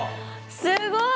すごい！